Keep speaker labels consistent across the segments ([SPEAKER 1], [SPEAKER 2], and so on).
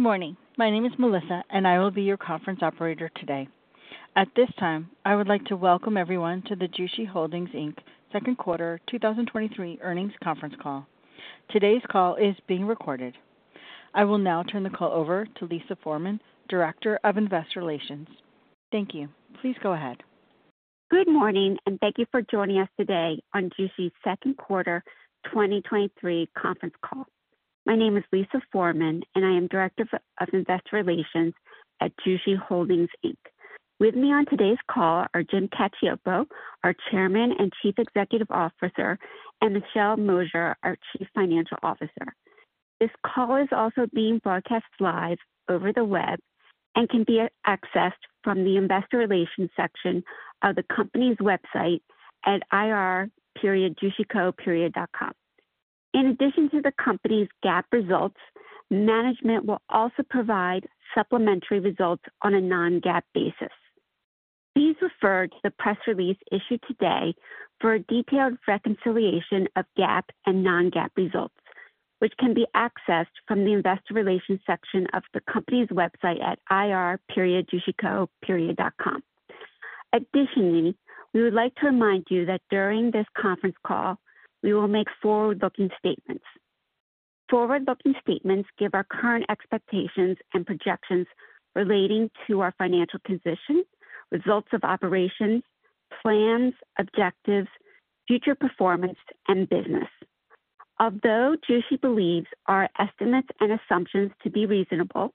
[SPEAKER 1] Good morning. My name is Melissa, and I will be your conference operator today. At this time, I would like to welcome everyone to the Jushi Holdings, Inc. second quarter 2023 earnings conference call. Today's call is being recorded. I will now turn the call over to Lisa Forman, Director of Investor Relations. Thank you. Please go ahead.
[SPEAKER 2] Good morning, and thank you for joining us today on Jushi's second quarter 2023 conference call. My name is Lisa Forman, and I am Director of Investor Relations at Jushi Holdings, Inc. With me on today's call are Jim Cacioppo, our Chairman and Chief Executive Officer, and Michelle Mosier, our Chief Financial Officer. This call is also being broadcast live over the web and can be accessed from the investor relations section of the company's website at ir.jushico.com. In addition to the company's GAAP results, management will also provide supplementary results on a non-GAAP basis. Please refer to the press release issued today for a detailed reconciliation of GAAP and non-GAAP results, which can be accessed from the investor relations section of the company's website at ir.jushico.com. Additionally, we would like to remind you that during this conference call, we will make forward-looking statements. Forward-looking statements give our current expectations and projections relating to our financial position, results of operations, plans, objectives, future performance, and business. Although Jushi believes our estimates and assumptions to be reasonable,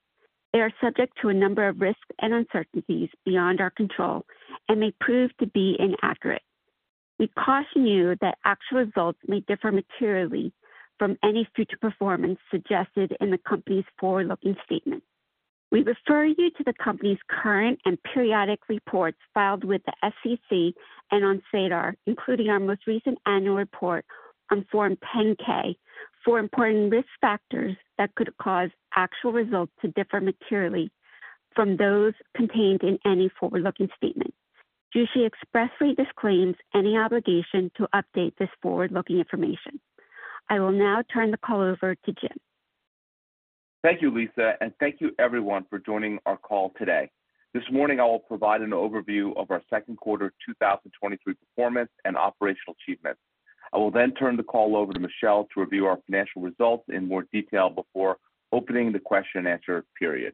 [SPEAKER 2] they are subject to a number of risks and uncertainties beyond our control and may prove to be inaccurate. We caution you that actual results may differ materially from any future performance suggested in the company's forward-looking statement. We refer you to the company's current and periodic reports filed with the SEC and on SEDAR, including our most recent annual report on Form 10-K, for important risk factors that could cause actual results to differ materially from those contained in any forward-looking statement. Jushi expressly disclaims any obligation to update this forward-looking information. I will now turn the call over to Jim.
[SPEAKER 3] Thank you, Lisa. Thank you everyone for joining our call today. This morning, I will provide an overview of our second quarter 2023 performance and operational achievements. I will turn the call over to Michelle to review our financial results in more detail before opening the question and answer period.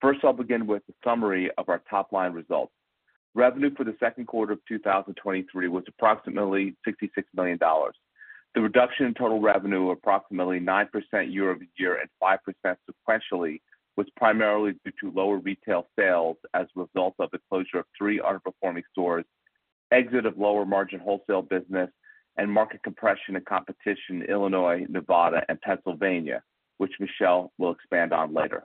[SPEAKER 3] First, I'll begin with a summary of our top-line results. Revenue for the second quarter of 2023 was approximately $66 million. The reduction in total revenue, approximately 9% year-over-year and 5% sequentially, was primarily due to lower retail sales as a result of the closure of three underperforming stores, exit of lower margin wholesale business, and market compression and competition in Illinois, Nevada, and Pennsylvania, which Michelle will expand on later.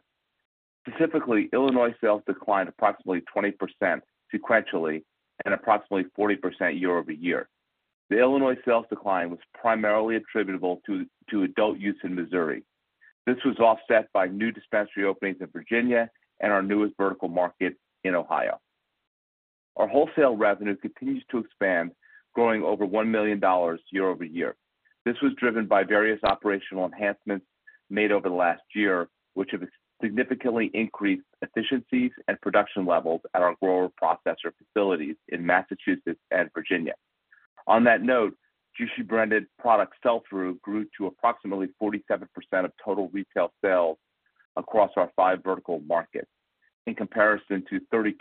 [SPEAKER 3] Specifically, Illinois sales declined approximately 20% sequentially and approximately 40% year-over-year. The Illinois sales decline was primarily attributable to adult-use in Missouri. This was offset by new dispensary openings in Virginia and our newest vertical market in Ohio. Our wholesale revenue continues to expand, growing over $1 million year-over-year. This was driven by various operational enhancements made over the last year, which have significantly increased efficiencies and production levels at our grower-processor facilities in Massachusetts and Virginia. On that note, Jushi branded product sell-through grew to approximately 47% of total retail sales across our five vertical markets, in comparison to 32%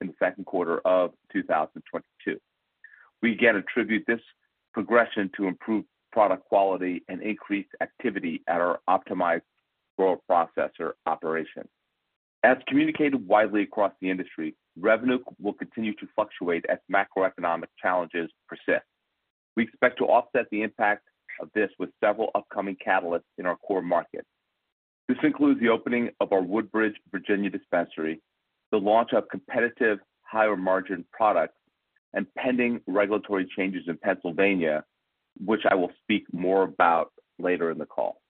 [SPEAKER 3] in the second quarter of 2022. We again attribute this progression to improved product quality and increased activity at our optimized grower-processor operation. As communicated widely across the industry, revenue will continue to fluctuate as macroeconomic challenges persist. We expect to offset the impact of this with several upcoming catalysts in our core markets. This includes the opening of our Woodbridge, Virginia, dispensary, the launch of competitive higher-margin products, and pending regulatory changes in Pennsylvania, which I will speak more about later in the call.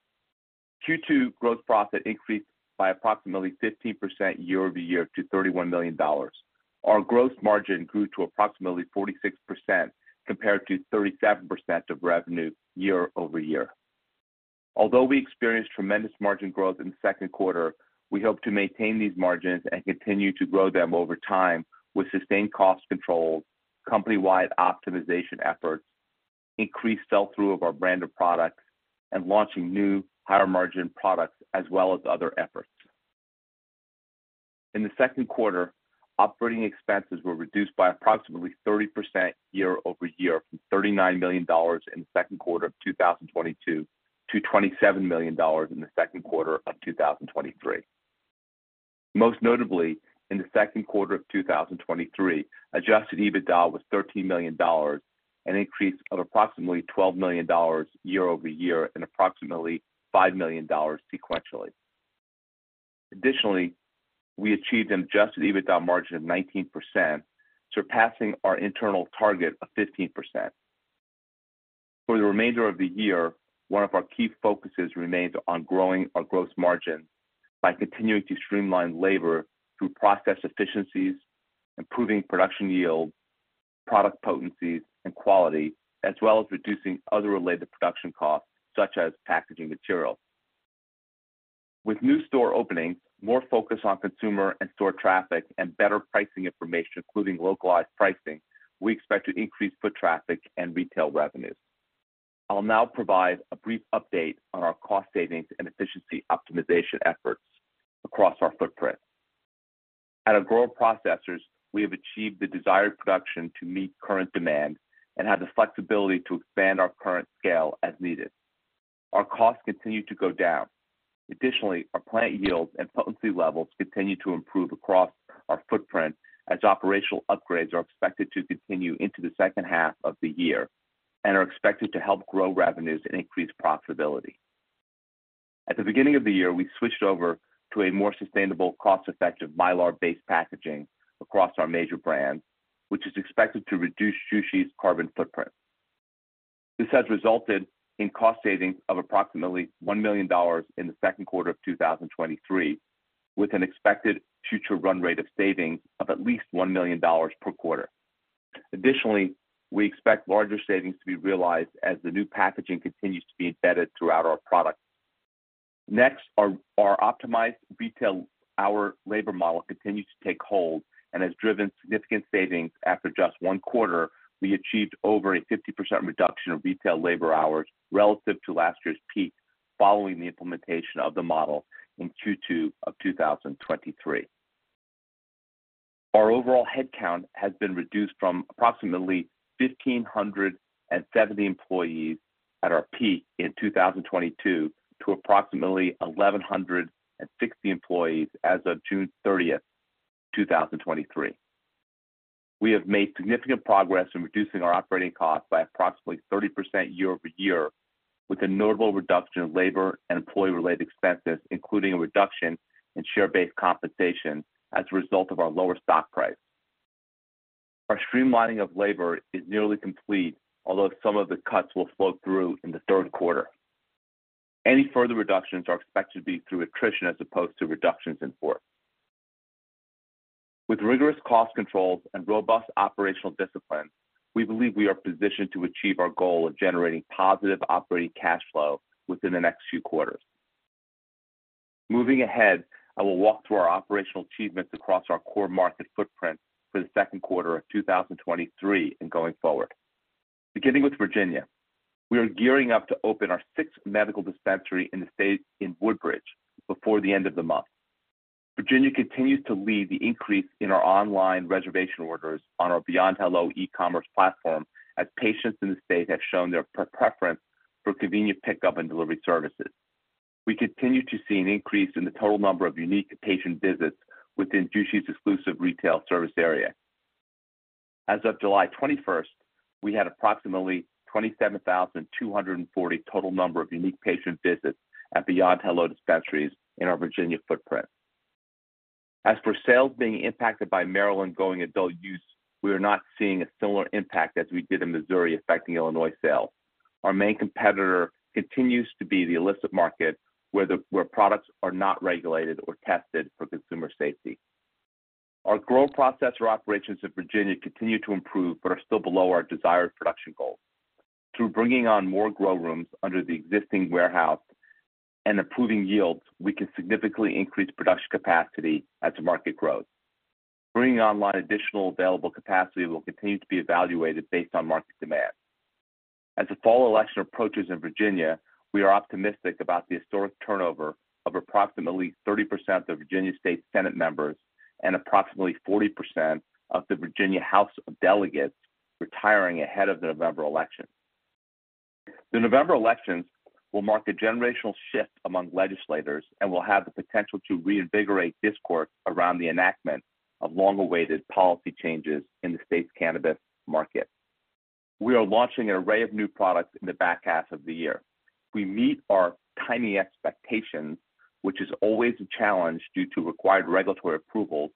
[SPEAKER 3] Q2 gross profit increased by approximately 15% year-over-year to $31 million. Our gross margin grew to approximately 46% compared to 37% of revenue year-over-year. Although we experienced tremendous margin growth in the second quarter, we hope to maintain these margins and continue to grow them over time with sustained cost control, company-wide optimization efforts, increased sell-through of our brand of products, and launching new, higher-margin products, as well as other efforts. In the second quarter, OpEx were reduced by approximately 30% year-over-year, from $39 million in the second quarter of 2022 to $27 million in the second quarter of 2023. Most notably, in the second quarter of 2023, Adjusted EBITDA was $13 million, an increase of approximately $12 million year-over-year and approximately $5 million sequentially. Additionally, we achieved an Adjusted EBITDA margin of 19%, surpassing our internal target of 15%. For the remainder of the year, one of our key focuses remains on growing our gross margin by continuing to streamline labor through process efficiencies, improving production product potencies and quality, as well as reducing other related production costs, such as packaging materials. With new store openings, more focus on consumer and store traffic, and better pricing information, including localized pricing, we expect to increase foot traffic and retail revenues. I will now provide a brief update on our cost savings and efficiency optimization efforts across our footprint. At our grow processors, we have achieved the desired production to meet current demand and have the flexibility to expand our current scale as needed. Our costs continue to go down. Additionally, our plant yields and potency levels continue to improve across our footprint, as operational upgrades are expected to continue into the second half of the year and are expected to help grow revenues and increase profitability. At the beginning of the year, we switched over to a more sustainable, cost-effective Mylar-based packaging across our major brands, which is expected to reduce Jushi's carbon footprint. This has resulted in cost savings of approximately $1 million in the second quarter of 2023, with an expected future run rate of savings of at least $1 million per quarter. Additionally, we expect larger savings to be realized as the new packaging continues to be embedded throughout our products. Next, our, our optimized retail hour labor model continues to take hold and has driven significant savings. After just one quarter, we achieved over a 50% reduction of retail labor hours relative to last year's peak, following the implementation of the model in Q2 2023. Our overall headcount has been reduced from approximately 1,570 employees at our peak in 2022 to approximately 1,160 employees as of June 30, 2023. We have made significant progress in reducing our operating costs by approximately 30% year-over-year, with a notable reduction in labor and employee-related expenses, including a reduction in share-based compensation as a result of our lower stock price. Our streamlining of labor is nearly complete, although some of the cuts will flow through in the third quarter. Any further reductions are expected to be through attrition as opposed to reductions in force. With rigorous cost controls and robust operational discipline, we believe we are positioned to achieve our goal of generating positive operating cash flow within the next few quarters. Moving ahead, I will walk through our operational achievements across our core market footprint for the second quarter of 2023 and going forward. Beginning with Virginia, we are gearing up to open our sixth medical dispensary in the state in Woodbridge before the end of the month. Virginia continues to lead the increase in our online reservation orders on our Beyond Hello e-commerce platform, as patients in the state have shown their preference for convenient pickup and delivery services. We continue to see an increase in the total number of unique patient visits within Jushi's exclusive retail service area. As of July 21st, we had approximately 27,240 total number of unique patient visits at Beyond Hello dispensaries in our Virginia footprint. As for sales being impacted by Maryland going adult-use, we are not seeing a similar impact as we did in Missouri affecting Illinois sales. Our main competitor continues to be the illicit market, where products are not regulated or tested for consumer safety. Our grower-processor operations in Virginia continue to improve, are still below our desired production goals. Through bringing on more grow rooms under the existing warehouse and improving yields, we can significantly increase production capacity as the market grows. Bringing online additional available capacity will continue to be evaluated based on market demand. As the fall election approaches in Virginia, we are optimistic about the historic turnover of approximately 30% of Virginia Senate members and approximately 40% of the Virginia House of Delegates retiring ahead of the November election. The November elections will mark a generational shift among legislators and will have the potential to reinvigorate discourse around the enactment of long-awaited policy changes in the state's cannabis market. We are launching an array of new products in the back half of the year. We meet our timing expectations, which is always a challenge due to required regulatory approvals.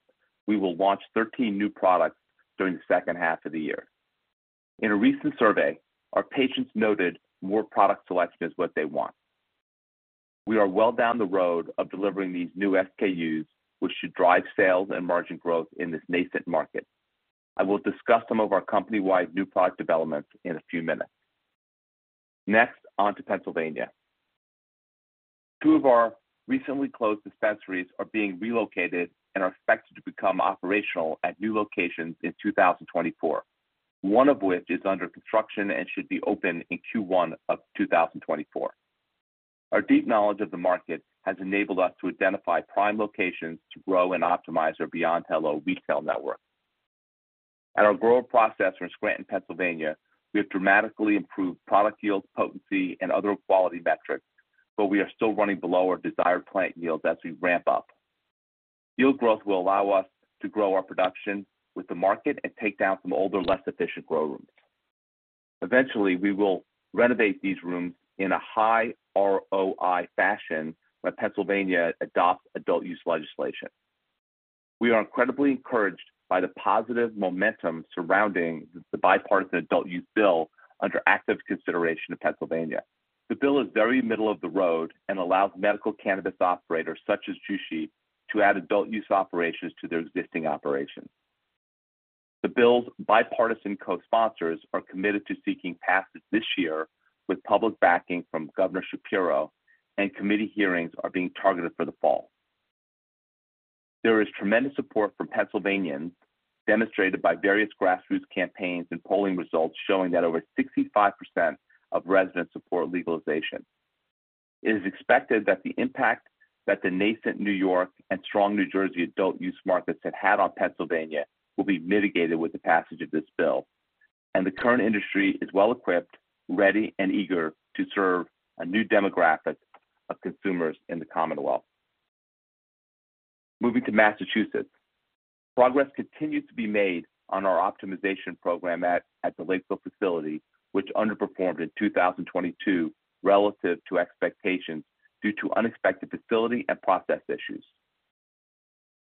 [SPEAKER 3] We will launch 13 new products during the second half of the year. In a recent survey, our patients noted more product selection is what they want. We are well down the road of delivering these new SKUs, which should drive sales and margin growth in this nascent market. I will discuss some of our company-wide new product developments in a few minutes. On to Pennsylvania. Two of our recently closed dispensaries are being relocated and are expected to become operational at new locations in 2024, one of which is under construction and should be open in Q1 of 2024. Our deep knowledge of the market has enabled us to identify prime locations to grow and optimize our Beyond Hello retail network. At our grow processor in Scranton, Pennsylvania, we have dramatically improved product yield, potency, and other quality metrics, but we are still running below our desired plant yields as we ramp up. Yield growth will allow us to grow our production with the market and take down some older, less efficient grow rooms. Eventually, we will renovate these rooms in a high ROI fashion when Pennsylvania adopts adult-use legislation. We are incredibly encouraged by the positive momentum surrounding the bipartisan adult-use bill under active consideration in Pennsylvania....The bill is very middle of the road and allows medical cannabis operators such as Jushi to add adult-use operations to their existing operations. The bill's bipartisan co-sponsors are committed to seeking passage this year, with public backing from Governor Shapiro, and committee hearings are being targeted for the fall. There is tremendous support from Pennsylvanians, demonstrated by various grassroots campaigns and polling results showing that over 65% of residents support legalization. It is expected that the impact that the nascent New York and strong New Jersey adult-use markets have had on Pennsylvania will be mitigated with the passage of this bill, and the current industry is well-equipped, ready, and eager to serve a new demographic of consumers in the Commonwealth. Moving to Massachusetts, progress continues to be made on our optimization program at the Lakeville facility, which underperformed in 2022 relative to expectations due to unexpected facility and process issues.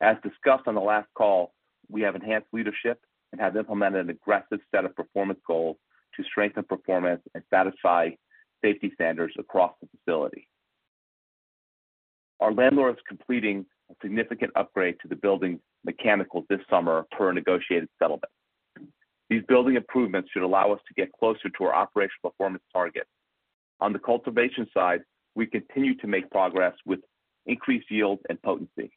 [SPEAKER 3] As discussed on the last call, we have enhanced leadership and have implemented an aggressive set of performance goals to strengthen performance and satisfy safety standards across the facility. Our landlord is completing a significant upgrade to the building's mechanicals this summer per a negotiated settlement. These building improvements should allow us to get closer to our operational performance target. On the cultivation side, we continue to make progress with increased yield and potency.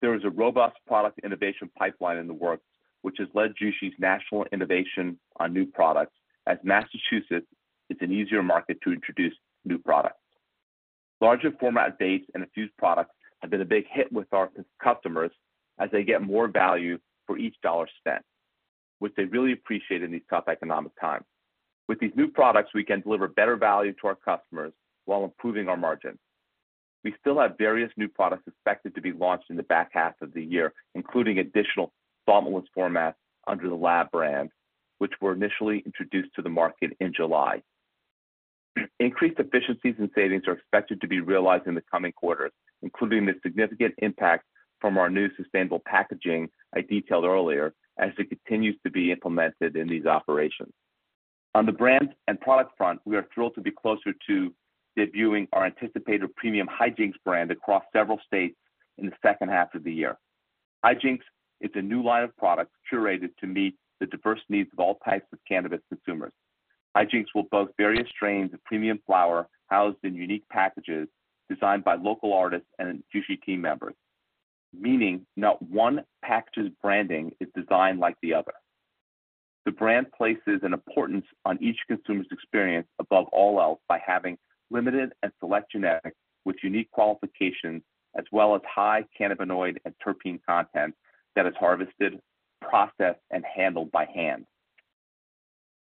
[SPEAKER 3] There is a robust product innovation pipeline in the works, which has led Jushi's national innovation on new products, as Massachusetts is an easier market to introduce new products. Larger format vapes and infused products have been a big hit with our customers as they get more value for each dollar spent, which they really appreciate in these tough economic times. With these new products, we can deliver better value to our customers while improving our margins. We still have various new products expected to be launched in the back half of the year, including additional soluble formats under The Lab brand, which were initially introduced to the market in July. Increased efficiencies and savings are expected to be realized in the coming quarters, including the significant impact from our new sustainable packaging I detailed earlier, as it continues to be implemented in these operations. On the brand and product front, we are thrilled to be closer to debuting our anticipated premium Hijinks brand across several states in the second half of the year. Hijinks is a new line of products curated to meet the diverse needs of all types of cannabis consumers. Hijinks will boast various strains of premium flower housed in unique packages designed by local artists and Jushi team members, meaning not one package's branding is designed like the other. The brand places an importance on each consumer's experience above all else by having limited and select genetics with unique qualifications, as well as high cannabinoid and terpene content that is harvested, processed, and handled by hand.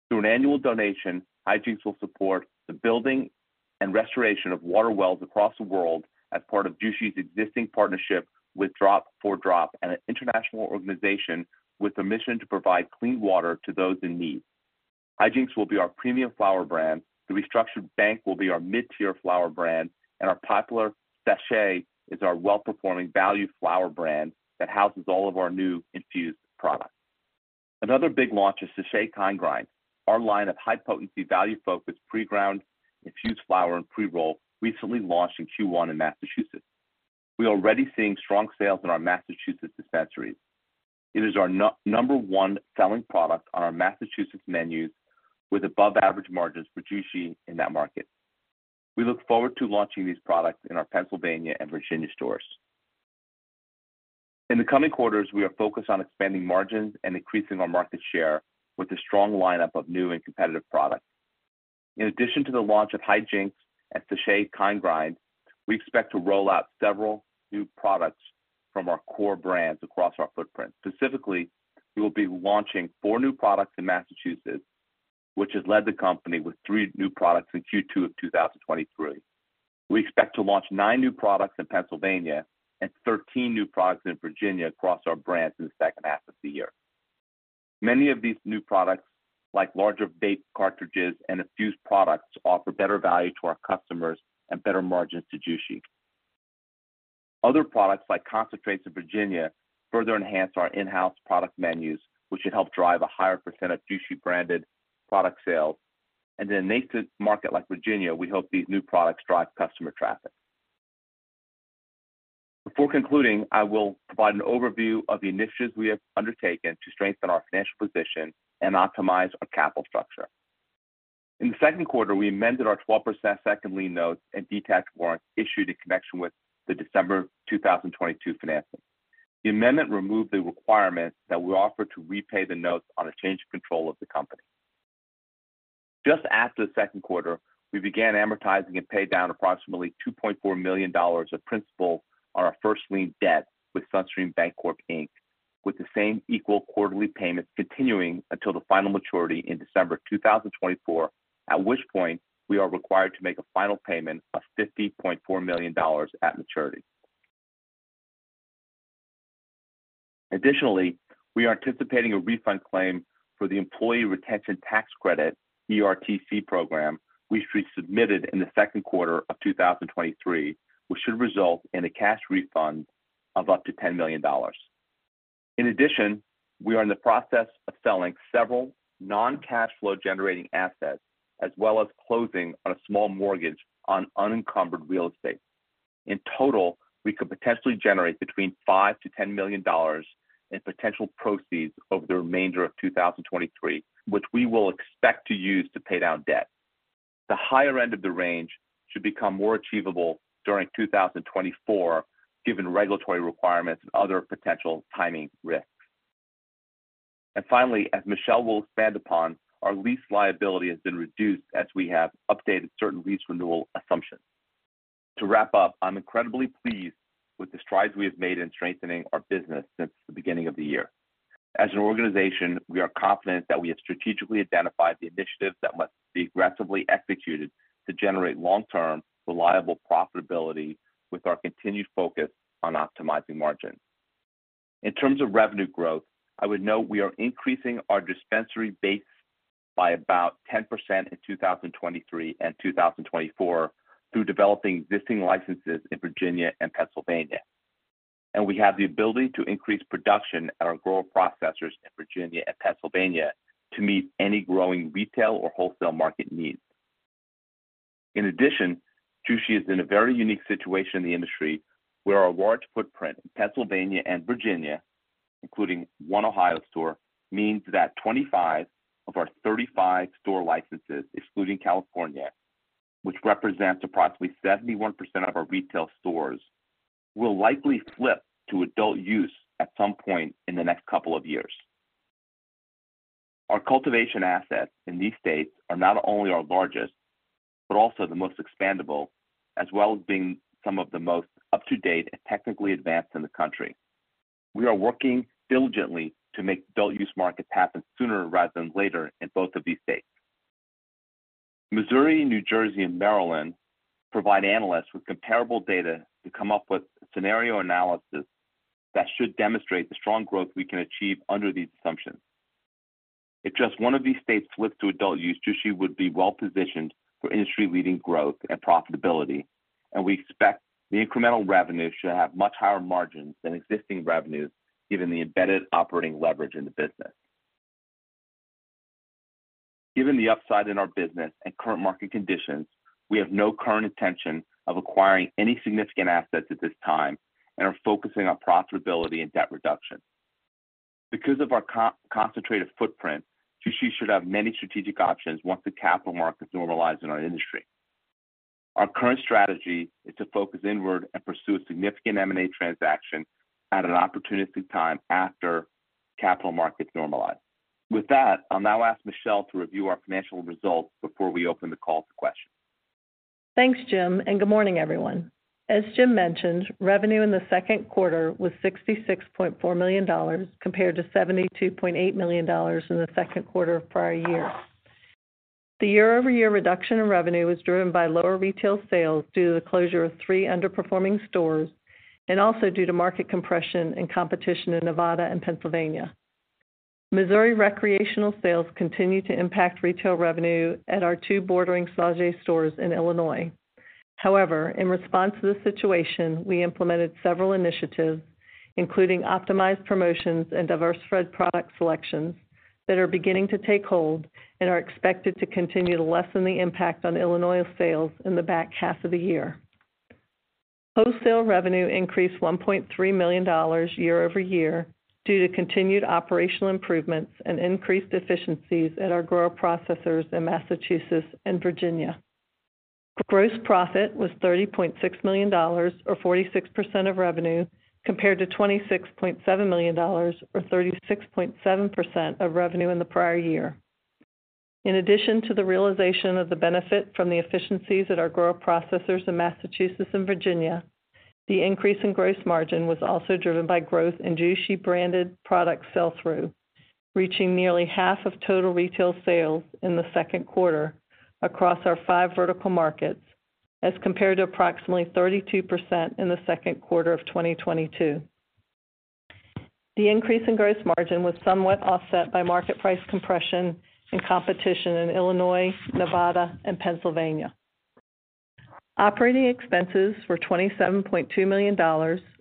[SPEAKER 3] Through an annual donation, Hijinks will support the building and restoration of water wells across the world as part of Jushi's existing partnership with Drop4Drop, an international organization with a mission to provide clean water to those in need. Hijinks will be our premium flower brand. The restructured Bank will be our mid-tier flower brand, and our popular Sèche is our well-performing value flower brand that houses all of our new infused products. Another big launch is Sèche Kind Grind, our line of high-potency, value-focused, pre-ground, infused flower, and pre-roll recently launched in Q1 in Massachusetts. We are already seeing strong sales in our Massachusetts dispensaries. It is our number one selling product on our Massachusetts menus, with above average margins for Jushi in that market. We look forward to launching these products in our Pennsylvania and Virginia stores. In the coming quarters, we are focused on expanding margins and increasing our market share with a strong lineup of new and competitive products. In addition to the launch of Hijinks and Sèche Kind Grind, we expect to roll out several new products from our core brands across our footprint. Specifically, we will be launching four new products in Massachusetts, which has led the company with three new products in Q2 of 2023. We expect to launch nine new products in Pennsylvania and 13 new products in Virginia across our brands in the second half of the year. Many of these new products, like larger vape cartridges and infused products, offer better value to our customers and better margins to Jushi. Other products, like concentrates in Virginia, further enhance our in-house product menus, which should help drive a higher percent of Jushi-branded product sales. In a nascent market like Virginia, we hope these new products drive customer traffic. Before concluding, I will provide an overview of the initiatives we have undertaken to strengthen our financial position and optimize our capital structure. In the second quarter, we amended our 12% Second Lien Notes and detached warrants issued in connection with the December 2022 financing. The amendment removed the requirement that we offer to repay the notes on a Change of Control of the company. Just after the second quarter, we began amortizing and paid down approximately $2.4 million of principal on our first-lien debt with SunStream Bancorp Inc., with the same equal quarterly payments continuing until the final maturity in December 2024, at which point we are required to make a final payment of $50.4 million at maturity. Additionally, we are anticipating a refund claim for the Employee Retention Tax Credit, ERTC program, which we submitted in the second quarter of 2023, which should result in a cash refund of up to $10 million. In addition, we are in the process of selling several non-cash flow-generating assets, as well as closing on a small mortgage on unencumbered real estate. In total, we could potentially generate between $5 million-$10 million in potential proceeds over the remainder of 2023, which we will expect to use to pay down debt. The higher end of the range should become more achievable during 2024, given regulatory requirements and other potential timing risks. Finally, as Michelle will expand upon, our lease liability has been reduced as we have updated certain lease renewal assumptions. To wrap up, I'm incredibly pleased with the strides we have made in strengthening our business since the beginning of the year. As an organization, we are confident that we have strategically identified the initiatives that must be aggressively executed to generate long-term, reliable profitability, with our continued focus on optimizing margins. In terms of revenue growth, I would note we are increasing our dispensary base by about 10% in 2023 and 2024 through developing existing licenses in Virginia and Pennsylvania. We have the ability to increase production at our grow processors in Virginia and Pennsylvania to meet any growing retail or wholesale market needs. In addition, Jushi is in a very unique situation in the industry, where our large footprint in Pennsylvania and Virginia, including one Ohio store, means that 25 of our 35 store licenses, excluding California, which represents approximately 71% of our retail stores, will likely flip to adult-use at some point in the next couple of years. Our cultivation assets in these states are not only our largest, but also the most expandable, as well as being some of the most up-to-date and technically advanced in the country. We are working diligently to make adult-use markets happen sooner rather than later in both of these states. Missouri, New Jersey, and Maryland provide analysts with comparable data to come up with scenario analysis that should demonstrate the strong growth we can achieve under these assumptions. If just one of these states flips to adult-use, Jushi would be well positioned for industry-leading growth and profitability, and we expect the incremental revenue should have much higher margins than existing revenues, given the embedded operating leverage in the business. Given the upside in our business and current market conditions, we have no current intention of acquiring any significant assets at this time and are focusing on profitability and debt reduction. Because of our concentrated footprint, Jushi should have many strategic options once the capital markets normalize in our industry. Our current strategy is to focus inward and pursue a significant M&A transaction at an opportunistic time after capital markets normalize. With that, I'll now ask Michelle to review our financial results before we open the call to questions.
[SPEAKER 4] Thanks, Jim. Good morning, everyone. As Jim mentioned, revenue in the second quarter was $66.4 million, compared to $72.8 million in the second quarter of prior year. The year-over-year reduction in revenue was driven by lower retail sales due to the closure of three underperforming stores and also due to market compression and competition in Nevada and Pennsylvania. Missouri recreational sales continue to impact retail revenue at our two bordering Sauget stores in Illinois. In response to this situation, we implemented several initiatives, including optimized promotions and diversified product selections, that are beginning to take hold and are expected to continue to lessen the impact on Illinois sales in the back half of the year. Wholesale revenue increased $1.3 million year-over-year due to continued operational improvements and increased efficiencies at our grow processors in Massachusetts and Virginia. Gross profit was $30.6 million, or 46% of revenue, compared to $26.7 million, or 36.7% of revenue in the prior year. In addition to the realization of the benefit from the efficiencies at our grower-processors in Massachusetts and Virginia, the increase in gross margin was also driven by growth in Jushi-branded product sell-through, reaching nearly half of total retail sales in the second quarter across our five vertical markets, as compared to approximately 32% in the second quarter of 2022. The increase in gross margin was somewhat offset by market price compression and competition in Illinois, Nevada, and Pennsylvania. Operating expenses were $27.2 million,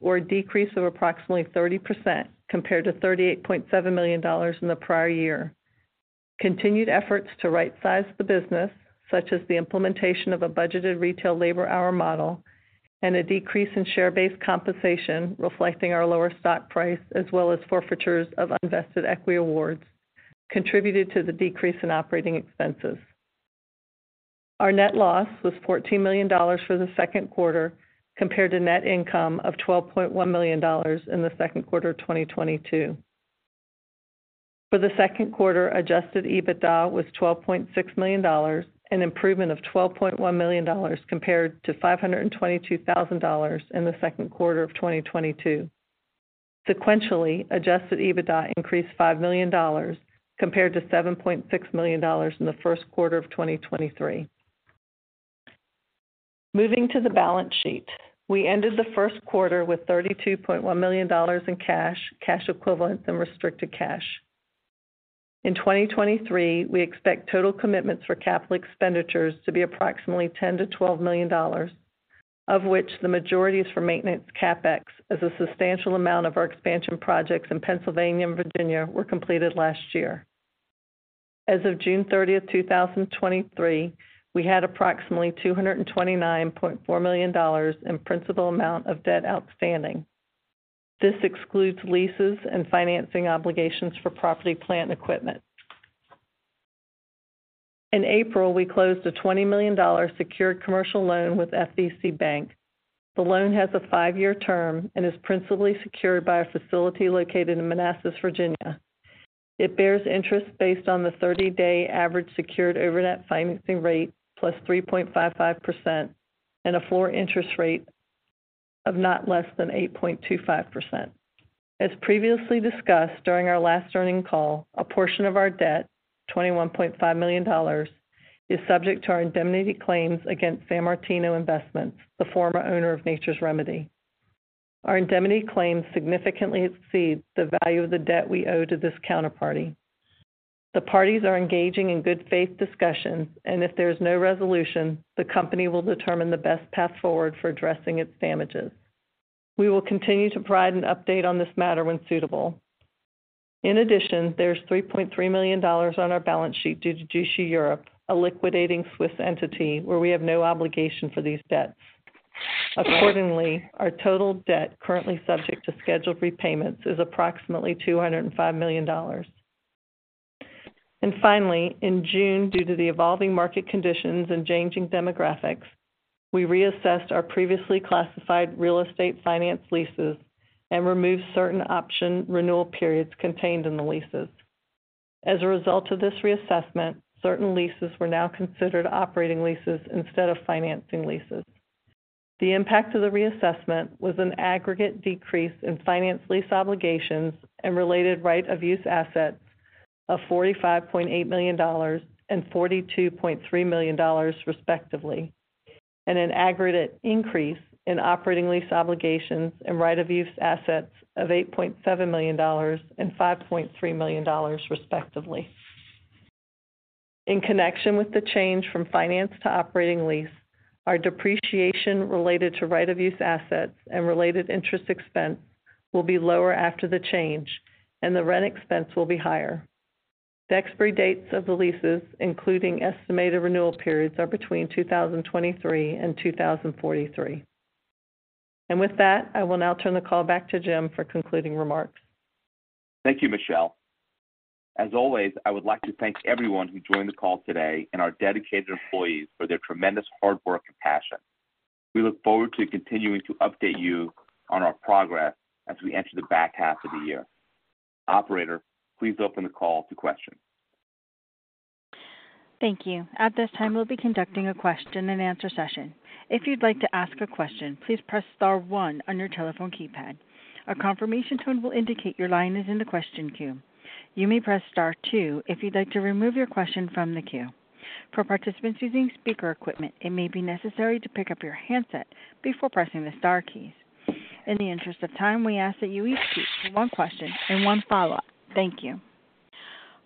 [SPEAKER 4] or a decrease of approximately 30% compared to $38.7 million in the prior year. Continued efforts to rightsize the business, such as the implementation of a budgeted retail labor hour model and a decrease in share-based compensation, reflecting our lower stock price, as well as forfeitures of unvested equity awards, contributed to the decrease in operating expenses. Our net loss was $14 million for the second quarter, compared to net income of $12.1 million in the second quarter of 2022. For the second quarter, Adjusted EBITDA was $12.6 million, an improvement of $12.1 million compared to $522,000 in the second quarter of 2022. Sequentially, Adjusted EBITDA increased $5 million, compared to $7.6 million in the first quarter of 2023. Moving to the balance sheet. We ended the first quarter with $32.1 million in cash, cash equivalent, and restricted cash.... In 2023, we expect total commitments for capital expenditures to be approximately $10 million-$12 million, of which the majority is for maintenance CapEx, as a substantial amount of our expansion projects in Pennsylvania and Virginia were completed last year. As of June 30, 2023, we had approximately $229.4 million in principal amount of debt outstanding. This excludes leases and financing obligations for property, plant, and equipment. In April, we closed a $20 million secured commercial loan with FCC Bank. The loan has a five-year term and is principally secured by a facility located in Manassas, Virginia. It bears interest based on the 30-day average Secured Overnight Financing Rate, plus 3.55% and a four interest rate of not less than 8.25%. As previously discussed during our last earnings call, a portion of our debt, $21.5 million, is subject to our indemnity claims against Sammartino Investments, the former owner of Nature's Remedy. Our indemnity claims significantly exceed the value of the debt we owe to this counterparty. The parties are engaging in good faith discussions, and if there is no resolution, the company will determine the best path forward for addressing its damages. We will continue to provide an update on this matter when suitable. In addition, there's $3.3 million on our balance sheet due to Jushi Europe, a liquidating Swiss entity, where we have no obligation for these debts. Accordingly, our total debt currently subject to scheduled repayments is approximately $205 million. Finally, in June, due to the evolving market conditions and changing demographics, we reassessed our previously classified real estate finance leases and removed certain option renewal periods contained in the leases. As a result of this reassessment, certain leases were now considered operating leases instead of financing leases. The impact of the reassessment was an aggregate decrease in finance lease obligations and related right-of-use assets of $45.8 million and $42.3 million, respectively, and an aggregate increase in operating lease obligations and right-of-use assets of $8.7 million and $5.3 million, respectively. In connection with the change from finance to operating lease, our depreciation related to right-of-use assets and related interest expense will be lower after the change and the rent expense will be higher. The expiry dates of the leases, including estimated renewal periods, are between 2023 and 2043. With that, I will now turn the call back to Jim for concluding remarks.
[SPEAKER 3] Thank you, Michelle. As always, I would like to thank everyone who joined the call today and our dedicated employees for their tremendous hard work and passion. We look forward to continuing to update you on our progress as we enter the back half of the year. Operator, please open the call to questions.
[SPEAKER 1] Thank you. At this time, we'll be conducting a question-and-answer session. If you'd like to ask a question, please press star one on your telephone keypad. A confirmation tone will indicate your line is in the question queue. You may press star two if you'd like to remove your question from the queue. For participants using speaker equipment, it may be necessary to pick up your handset before pressing the star keys. In the interest of time, we ask that you each speak to one question and one follow-up. Thank you.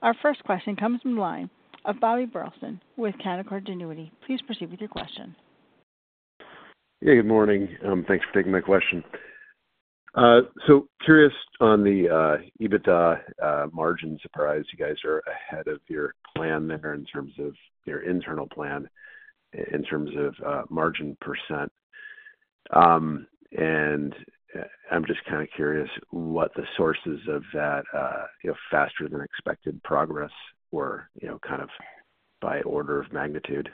[SPEAKER 1] Our first question comes from the line of Bobby Burleson with Canaccord Genuity. Please proceed with your question.
[SPEAKER 5] Hey, good morning. Thanks for taking my question. Curious on the EBITDA margin surprise. You guys are ahead of your plan there in terms of your internal plan, in terms of margin percent. I'm just kind of curious what the sources of that, you know, faster than expected progress were, you know, kind of by order of magnitude?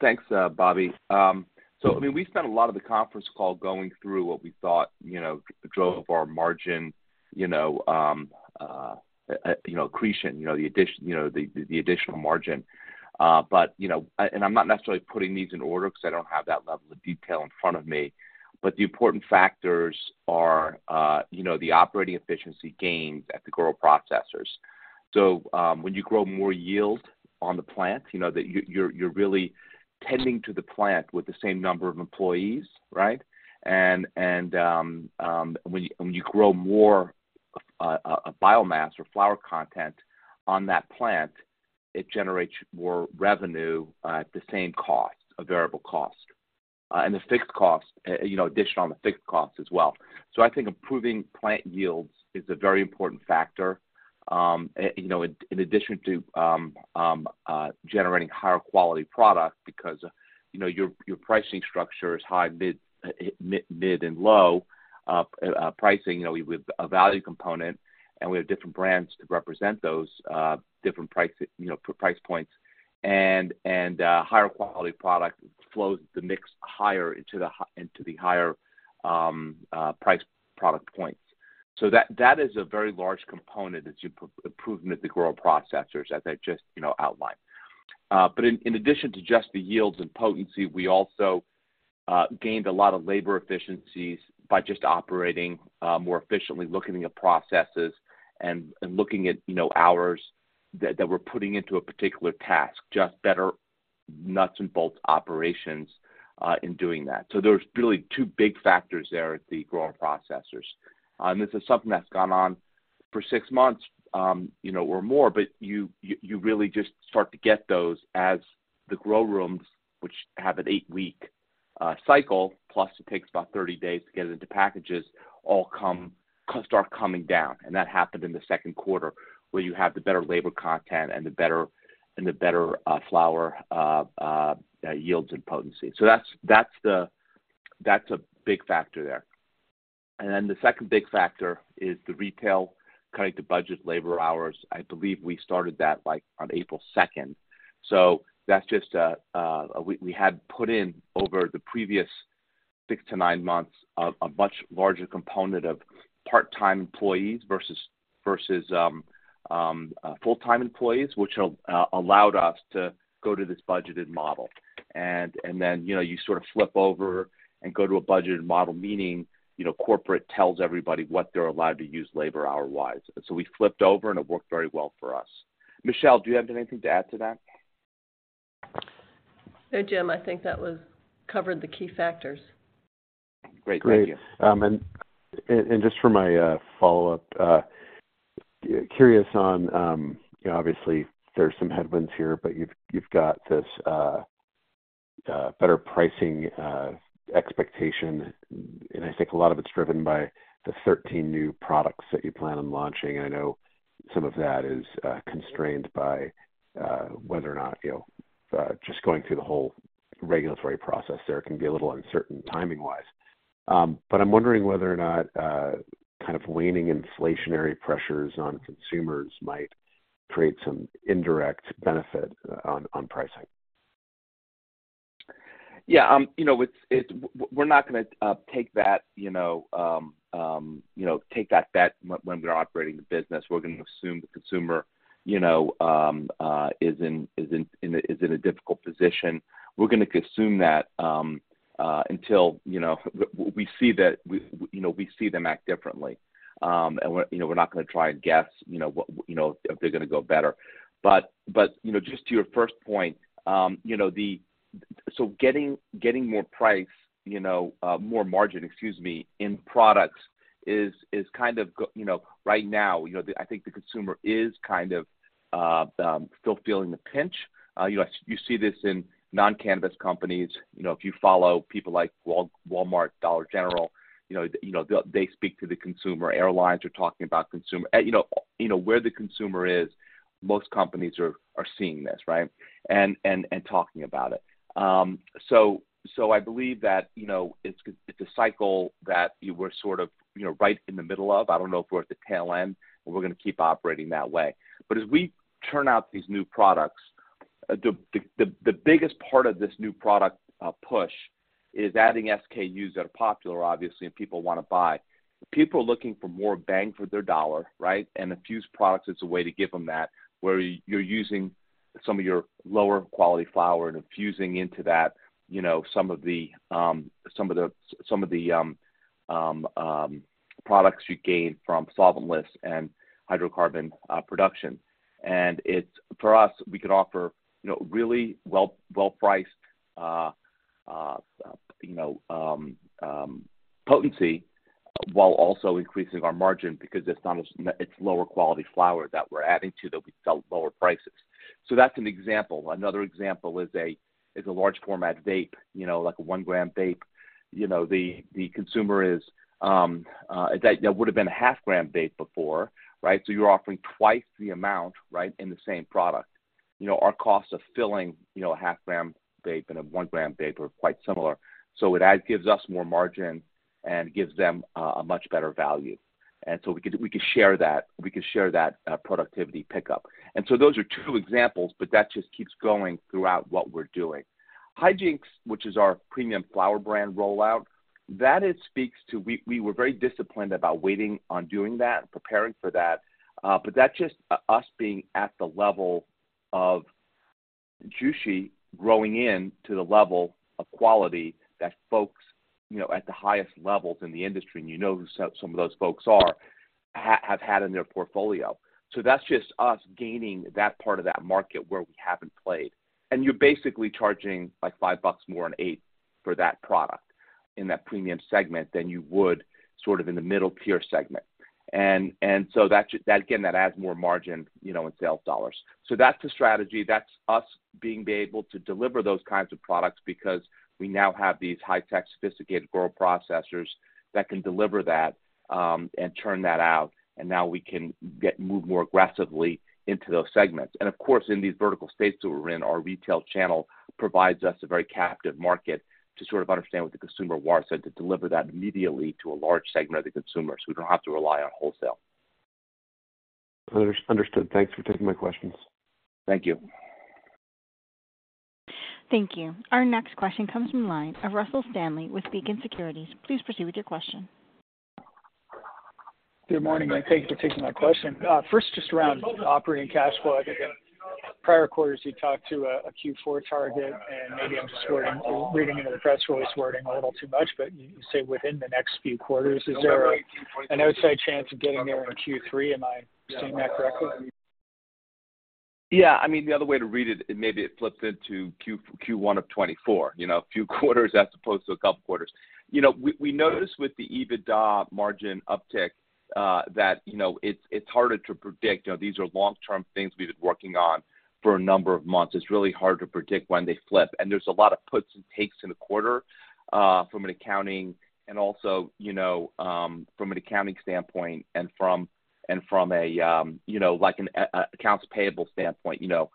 [SPEAKER 3] Thanks, Bobby. I mean, we spent a lot of the conference call going through what we thought, you know, drove our margin, you know, accretion, you know, the addition, you know, the, the additional margin. You know, and I'm not necessarily putting these in order because I don't have that level of detail in front of me. The important factors are, you know, the operating efficiency gains at the grower-processors. When you grow more yield on the plant, you know that you're, you're really tending to the plant with the same number of employees, right? And, when you, when you grow more, biomass or flower content on that plant, it generates more revenue at the same cost, a variable cost. The fixed cost, you know, additional on the fixed cost as well. I think improving plant yields is a very important factor, you know, in addition to generating higher quality product, because, you know, your, your pricing structure is high, mid and low pricing. You know, with a value component, and we have different brands to represent those different prices, you know, price points and higher quality product flows the mix higher into the higher price product points. That is a very large component, as you, improvement at the grow processors, as I just, you know, outlined. In, in addition to just the yields and potency, we also gained a lot of labor efficiencies by just operating more efficiently, looking at processes and, and looking at, you know, hours that, that we're putting into a particular task, just nuts and bolts operations in doing that. There's really two big factors there at the growing processors. This is something that's gone on for six months, you know, or more, but you, you, you really just start to get those as the grow rooms, which have an eight-week cycle, plus it takes about 30 days to get it into packages, all come, start coming down. That happened in the second quarter, where you have the better labor content and the better, and the better flower yields and potency. That's, that's the, that's a big factor there. Then the second big factor is the retail cutting the budget labor hours. I believe we started that, like, on April 2nd. That's just, we, we had put in over the previous six to nine months, a, a much larger component of part-time employees versus, versus, full-time employees, which allowed us to go to this budgeted model. Then, you know, you sort of flip over and go to a budgeted model, meaning, you know, corporate tells everybody what they're allowed to use labor hour-wise. We flipped over, and it worked very well for us. Michelle, do you have anything to add to that?
[SPEAKER 4] No, Jim, I think that covered the key factors.
[SPEAKER 3] Great. Thank you.
[SPEAKER 5] Great. Just for my follow-up, curious on you know, obviously, there's some headwinds here, but you've, you've got this better pricing expectation. I think a lot of it's driven by the 13 new products that you plan on launching. I know some of that is constrained by whether or not, you know, just going through the whole regulatory process there can be a little uncertain timing-wise. I'm wondering whether or not kind of waning inflationary pressures on consumers might create some indirect benefit on pricing.
[SPEAKER 3] Yeah, you know, it's, it's we're not going to take that, you know, you know, take that bet when we're operating the business. We're going to assume the consumer, you know, is in, is in, is in a difficult position. We're going to assume that, until, you know, we see that, we, you know, we see them act differently. We're, you know, we're not going to try and guess, you know, what, you know, if they're going to go better. But, you know, just to your first point, you know, so getting, getting more price, you know, more margin, excuse me, in products is, is kind of you know, right now, you know, I think the consumer is kind of still feeling the pinch. You know, you see this in non-cannabis companies. You know, if you follow people like Walmart, Dollar General, you know, you know, they speak to the consumer. Airlines are talking about consumer. You know, you know, where the consumer is, most companies are, are seeing this, right? And, and talking about it. So, I believe that, you know, it's, it's a cycle that you were sort of, you know, right in the middle of. I don't know if we're at the tail end, and we're going to keep operating that way. As we turn out these new products, the, the, the biggest part of this new product push is adding SKUs that are popular, obviously, and people want to buy. People are looking for more bang for their dollar, right? Infused products is a way to give them that, where you're using some of your lower quality flower and infusing into that, you know, some of the, some of the, some of the products you gain from solventless and hydrocarbon production. It's, for us, we could offer, you know, really well, well-priced, you know, potency, while also increasing our margin because it's not as, it's lower quality flower that we're adding to that we sell at lower prices. That's an example. Another example is a, is a large format vape, you know, like a 1 g vape. You know, the, the consumer is, that would have been a half-gram vape before, right? You're offering twice the amount, right, in the same product. You know, our cost of filling, you know, a half-gram vape and a one-gram vape are quite similar. It adds, gives us more margin and gives them a, a much better value. We can, we can share that, we can share that productivity pickup. Those are two examples, but that just keeps going throughout what we're doing. Hijinks, which is our premium flower brand rollout, that it speaks to. We were very disciplined about waiting on doing that and preparing for that. That's just us being at the level of Jushi growing in to the level of quality that folks, you know, at the highest levels in the industry, and you know who some, some of those folks are, have had in their portfolio. That's just us gaining that part of that market where we haven't played. You're basically charging, like, $5 more an eighth for that product in that premium segment than you would sort of in the middle tier segment. That, that again, that adds more margin, you know, in sales dollars. That's the strategy. That's us being able to deliver those kinds of products because we now have these high-tech, sophisticated grow processors that can deliver that, and turn that out, and now we can get-- move more aggressively into those segments. Of course, in these vertical states that we're in, our retail channel provides us a very captive market to sort of understand what the consumer wants and to deliver that immediately to a large segment of the consumer, so we don't have to rely on wholesale.
[SPEAKER 5] understood. Thanks for taking my questions.
[SPEAKER 3] Thank you.
[SPEAKER 1] Thank you. Our next question comes from the line of Russell Stanley with Beacon Securities. Please proceed with your question.
[SPEAKER 6] Good morning. Thank you for taking my question. First, just around operating cash flow. I think in prior quarters, you talked to a Q4 target, and maybe I'm just reading into the press release wording a little too much, but you say within the next few quarters. Is there an outside chance of getting there in Q3? Am I saying that correctly?...
[SPEAKER 3] Yeah, I mean, the other way to read it, maybe it flips into Q1 of 2024, you know, a few quarters as opposed to a couple of quarters. You know, we, we noticed with the EBITDA margin uptick, that, you know, it's, it's harder to predict. You know, these are long-term things we've been working on for a number of months. It's really hard to predict when they flip, and there's a lot of puts and takes in a quarter, from an accounting and also, you know, from an accounting standpoint and from, and from a, you know, like an accounts payable standpoint, you know.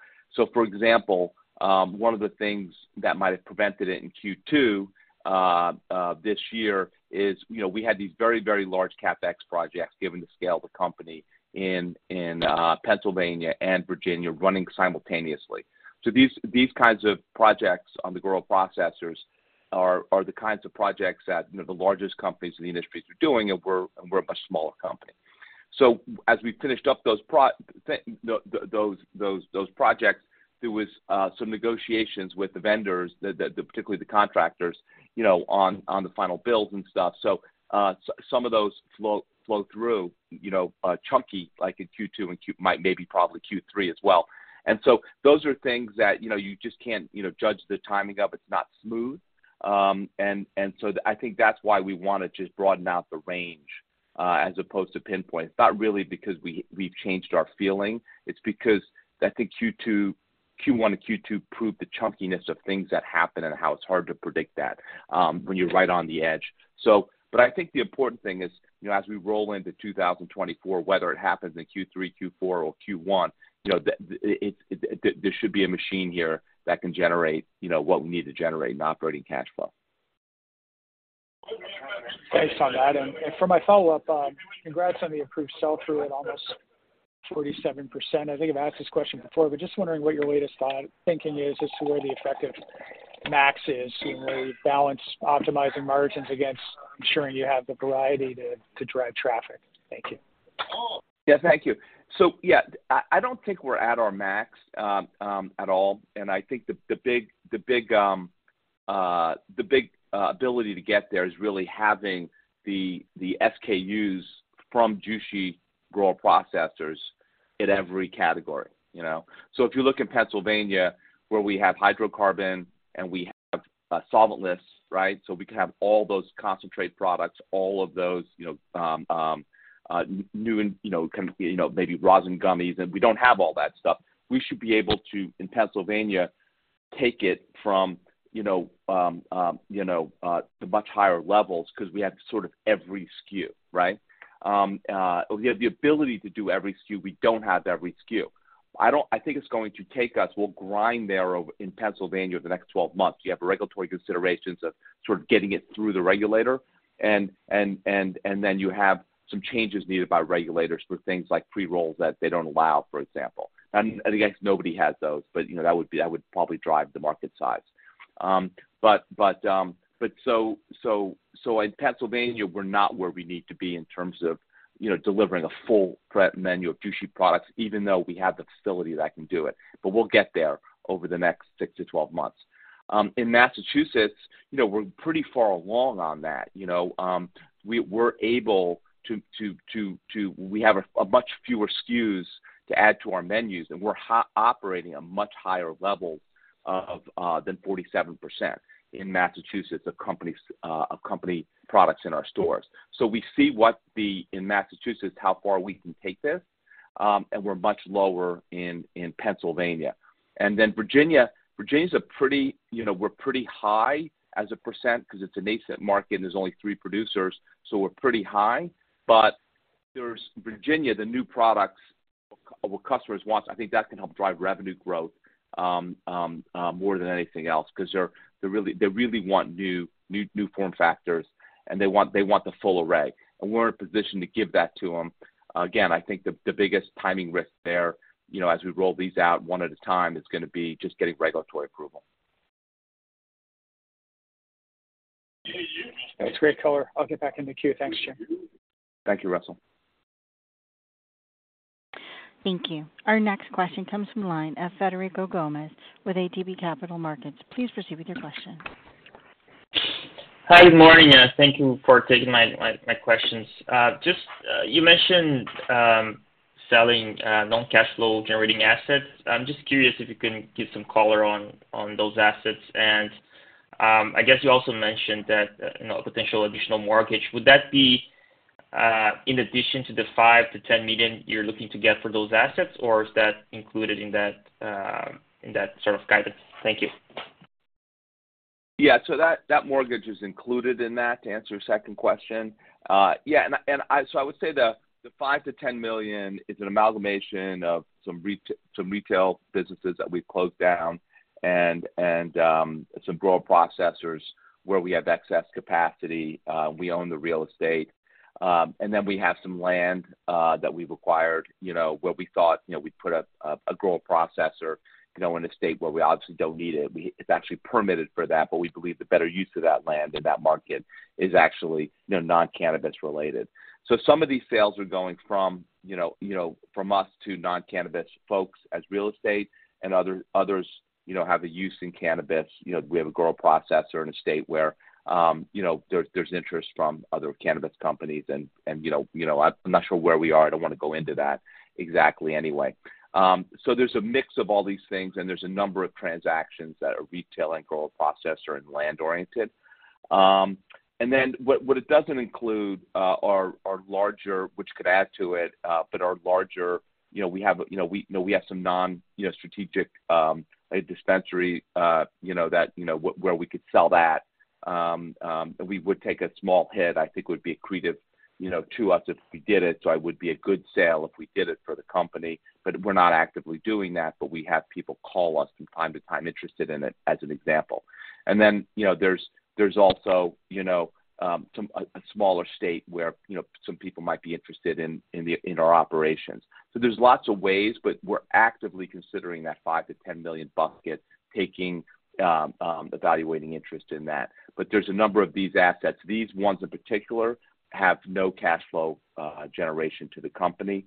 [SPEAKER 3] For example, one of the things that might have prevented it in Q2 this year is, you know, we had these very, very large CapEx projects, given the scale of the company in, in Pennsylvania and Virginia, running simultaneously. These, these kinds of projects on the grow processors are, are the kinds of projects that, you know, the largest companies in the industry are doing, and we're, and we're a much smaller company. As we finished up those those, those, those projects, there was some negotiations with the vendors, the, the, particularly the contractors, you know, on, on the final bills and stuff. So some of those flow, flow through, you know, chunky, like in Q2 and might maybe probably Q3 as well. Those are things that, you know, you just can't, you know, judge the timing of. It's not smooth. I think that's why we want to just broaden out the range as opposed to pinpoint. It's not really because we, we've changed our feeling, it's because I think Q2, Q1 and Q2 proved the chunkiness of things that happen and how it's hard to predict that when you're right on the edge. I think the important thing is, you know, as we roll into 2024, whether it happens in Q3, Q4, or Q1, you know, the, it, it, there should be a machine here that can generate, you know, what we need to generate in operating cash flow.
[SPEAKER 6] Thanks on that. For my follow-up, congrats on the improved sell-through at almost 47%. I think I've asked this question before, but just wondering what your latest thought thinking is as to where the effective max is, and where you balance optimizing margins against ensuring you have the variety to drive traffic. Thank you.
[SPEAKER 3] Yeah, thank you. Yeah, I, I don't think we're at our max at all. I think the big, the big, the big ability to get there is really having the SKUs from Jushi grower-processors in every category, you know? If you look in Pennsylvania, where we have hydrocarbon and we have solventless, right? We can have all those concentrate products, all of those, you know, new and, you know, can, you know, maybe rosin gummies, and we don't have all that stuff. We should be able to, in Pennsylvania, take it from, you know, you know, to much higher levels because we have sort of every SKU, right? We have the ability to do every SKU. We don't have every SKU. I think it's going to take us. We'll grind there over in Pennsylvania over the next 12 months. You have regulatory considerations of sort of getting it through the regulator, and then you have some changes needed by regulators for things like pre-rolls that they don't allow, for example. Again, nobody has those, but, you know, that would probably drive the market size. In Pennsylvania, we're not where we need to be in terms of, you know, delivering a full prep menu of Jushi products, even though we have the facility that can do it. We'll get there over the next six to 12 months. In Massachusetts, you know, we're pretty far along on that. You know, we're able to, we have a much fewer SKUs to add to our menus, and we're operating a much higher level than 47% in Massachusetts of companies, of company products in our stores. We see what the, in Massachusetts, how far we can take this, and we're much lower in Pennsylvania. Virginia, Virginia is a pretty, you know, we're pretty high as a % because it's a nascent market, and there's only three producers, we're pretty high. There's Virginia, the new products, what customers want, I think that can help drive revenue growth more than anything else, because they're, they really, they really want new, new, new form factors, and they want, they want the full array, and we're in a position to give that to them. Again, I think the, the biggest timing risk there, you know, as we roll these out one at a time, is gonna be just getting regulatory approval.
[SPEAKER 6] That's great color. I'll get back in the queue. Thanks, Chair.
[SPEAKER 3] Thank you, Russell.
[SPEAKER 1] Thank you. Our next question comes from line, as Frederico Gomes with ATB Capital Markets. Please proceed with your question.
[SPEAKER 7] Hi, good morning, and thank you for taking my, my, my questions. Just, you mentioned selling non-cash flow generating assets. I'm just curious if you can give some color on, on those assets. I guess you also mentioned that, you know, potential additional mortgage. Would that be, in addition to the $5 million-$10 million you're looking to get for those assets, or is that included in that, in that sort of guidance? Thank you.
[SPEAKER 3] Yeah. That, that mortgage is included in that, to answer your second question. Yeah, I would say the $5 million-$10 million is an amalgamation of some retail businesses that we've closed down and some grow processors where we have excess capacity, we own the real estate. We have some land that we've acquired, you know, where we thought, you know, we'd put up a grow processor, you know, in a state where we obviously don't need it. It's actually permitted for that, we believe the better use of that land in that market is actually, you know, non-cannabis related. Some of these sales are going from, you know, from us to non-cannabis folks as real estate and others, you know, have a use in cannabis. You know, we have a grower-processor in a state where, you know, there's, there's interest from other cannabis companies and, and, you know, you know, I'm not sure where we are. I don't want to go into that exactly anyway. So there's a mix of all these things, and there's a number of transactions that are retail and grow, processor, and land-oriented.... And then what, what it doesn't include, are, are larger, which could add to it, but are larger, you know, we have, you know, we, you know, we have some non, you know, strategic, a dispensary, you know, that, you know, where, where we could sell that. We would take a small hit, I think would be accretive to us if we did it, so it would be a good sale if we did it for the company. We're not actively doing that, but we have people call us from time to time interested in it, as an example. There's also a smaller state where some people might be interested in our operations. There's lots of ways, but we're actively considering that $5 million-$10 million bucket, taking, evaluating interest in that. There's a number of these assets. These ones in particular, have no cash flow generation to the company.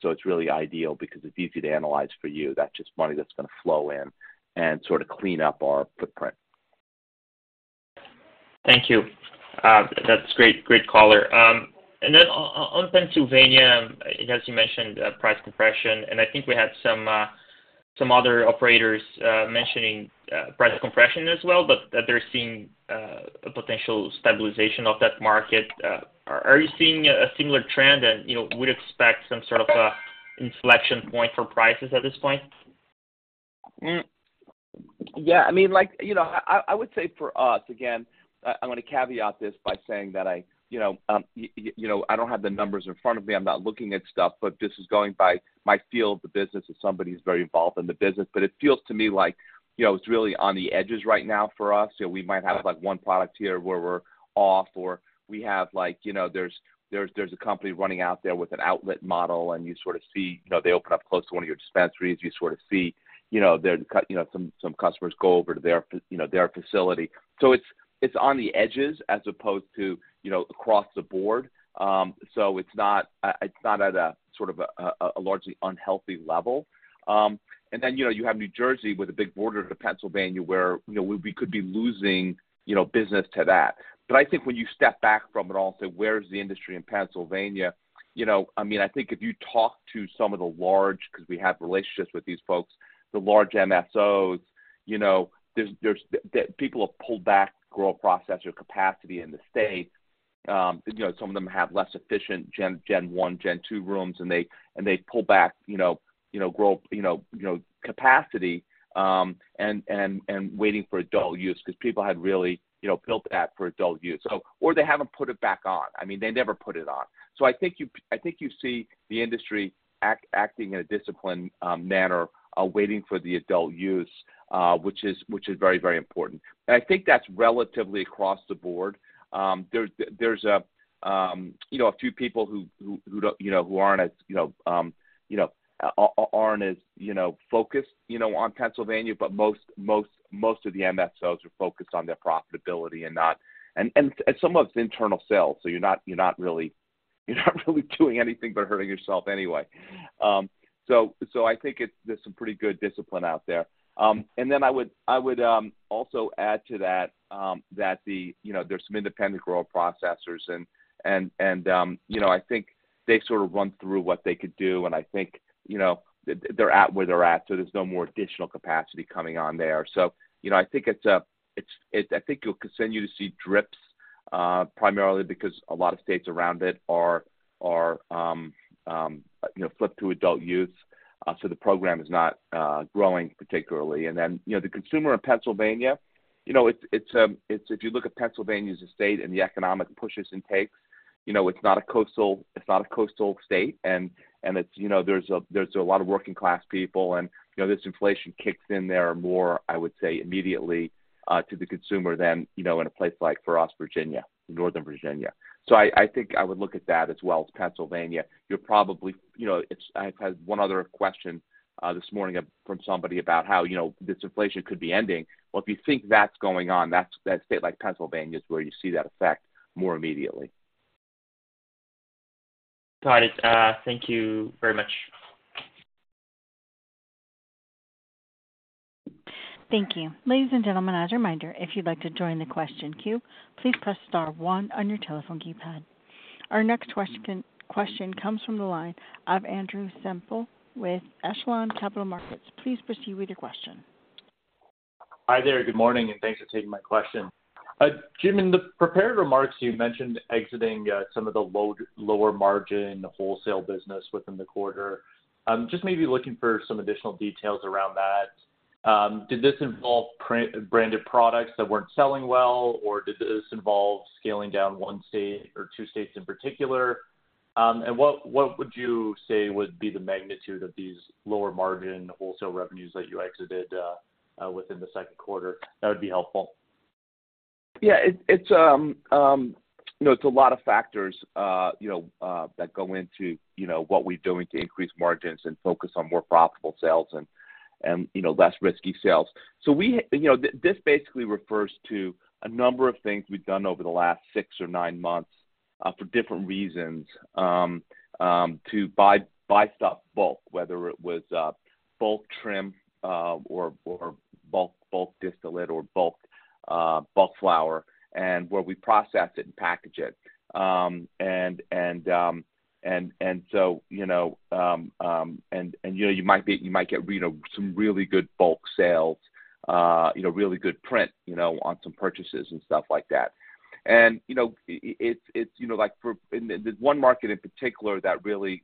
[SPEAKER 3] So it's really ideal because it's easy to analyze for you. That's just money that's going to flow in and sort of clean up our footprint.
[SPEAKER 7] Thank you. That's great. Great color. Then on Pennsylvania, as you mentioned, price compression, and I think we had some, some other operators, mentioning, price compression as well, but that they're seeing, a potential stabilization of that market. Are you seeing a similar trend and, you know, would expect some sort of an inflection point for prices at this point?
[SPEAKER 3] Yeah, I mean, like, you know, I, I would say for us, again, I, I want to caveat this by saying that I, you know, you know, I don't have the numbers in front of me. I'm not looking at stuff, but this is going by my feel of the business as somebody who's very involved in the business. It feels to me like, you know, it's really on the edges right now for us. You know, we might have, like, one product here where we're off, or we have like, you know, there's, there's, there's a company running out there with an outlet model, and you sort of see, you know, they open up close to one of your dispensaries. You sort of see, you know, their, you know, some, some customers go over to their, you know, their facility. It's, it's on the edges as opposed to, you know, across the board. It's not, it's not at a sort of a largely unhealthy level. You know, you have New Jersey with a big border to Pennsylvania, where, you know, we, we could be losing, you know, business to that. I think when you step back from it all and say, where is the industry in Pennsylvania? You know, I mean, I think if you talk to some of the large, because we have relationships with these folks, the large MSOs, People have pulled back grower-processor capacity in the state. You know, some of them have less efficient gen one, gen two rooms, and they, and they pull back grow capacity, and waiting for adult-use because people had really, you know, built that for adult-use, or they haven't put it back on. I mean, they never put it on. I think you see the industry acting in a disciplined manner, waiting for the adult-use, which is very, very important. I think that's relatively across the board. There's, there's a, you know, a few people who, who, who don't, you know, who aren't as, you know, you know, aren't as, you know, focused, you know, on Pennsylvania, but most, most, most of the MSOs are focused on their profitability and not... Some of it's internal sales, so you're not, you're not really, you're not really doing anything but hurting yourself anyway. So I think it's, there's some pretty good discipline out there. Then I would, I would, also add to that, that the, you know, there's some independent growth processors and, and, and, you know, I think they sort of run through what they could do, and I think, you know, they're at where they're at, so there's no more additional capacity coming on there. You know, I think it's, it's, I think you'll continue to see drips, primarily because a lot of states around it are, are, you know, flipped to adult-use. The program is not growing particularly. You know, the consumer in Pennsylvania, you know, it's, it's, if you look at Pennsylvania as a state and the economic pushes and takes, you know, it's not a coastal, it's not a coastal state, and, and it's, you know, there's a, there's a lot of working-class people, and, you know, this inflation kicks in there more, I would say, immediately, to the consumer than, you know, in a place like, for us, Virginia, Northern Virginia. I, I think I would look at that as well as Pennsylvania. You're probably, you know, I had one other question, this morning from somebody about how, you know, this inflation could be ending. Well, if you think that's going on, that state like Pennsylvania, is where you see that effect more immediately.
[SPEAKER 7] Got it. Thank you very much.
[SPEAKER 1] Thank you. Ladies and gentlemen, as a reminder, if you'd like to join the question queue, please press star one on your telephone keypad. Our next question comes from the line of Andrew Semple with Echelon Capital Markets. Please proceed with your question.
[SPEAKER 8] Hi there, good morning, and thanks for taking my question. Jim, in the prepared remarks, you mentioned exiting some of the lower margin wholesale business within the quarter. Just maybe looking for some additional details around that. Did this involve branded products that weren't selling well, or did this involve scaling down one state or two states in particular? What, what would you say would be the magnitude of these lower-margin wholesale revenues that you exited within the second quarter? That would be helpful.
[SPEAKER 3] Yeah, it's, it's, you know, it's a lot of factors, you know, that go into, you know, what we're doing to increase margins and focus on more profitable sales and, and, you know, less risky sales. We, you know, this, this basically refers to a number of things we've done over the last six or nine months, for different reasons, to buy, buy stuff bulk, whether it was bulk trim, or, or bulk, bulk distillate, or bulk, bulk flower, and where we process it and package it. And so, you know, and you know, you might get, you know, some really good bulk sales. You know, really good print, you know, on some purchases and stuff like that. You know, it's, it's, you know, and there's one market in particular that really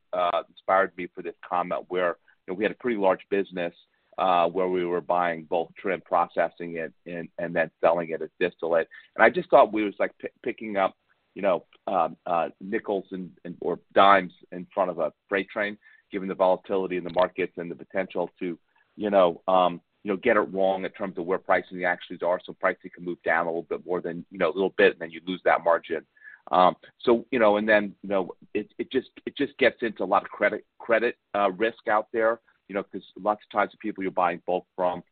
[SPEAKER 3] inspired me for this comment, where, you know, we had a pretty large business, where we were buying bulk trim, processing it, and, and then selling it as distillate. I just thought we was like picking up, you know, nickels and, and/or dimes in front of a freight train, given the volatility in the markets and the potential to, you know, get it wrong in terms of where pricing actually are. Pricing can move down a little bit more than, you know, a little bit, and then you lose that margin. So it just, it just gets into a lot of credit, credit risk out there because lots of times the people you're buying bulk from,